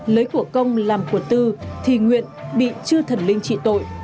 lấy cuộc công làm quật tư thì nguyện bị chư thần linh trị tội